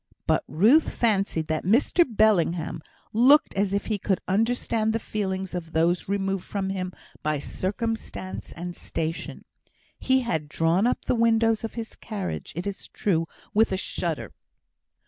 But Ruth fancied that Mr Bellingham looked as if he could understand the feelings of those removed from him by circumstance and station. He had drawn up the windows of his carriage, it is true, with a shudder.